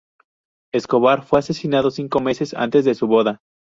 Escobar fue asesinado cinco meses antes de su boda.